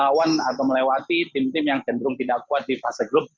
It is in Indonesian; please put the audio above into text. karena memang melawan atau melewati tim tim yang cenderung tidak kuat di fase grup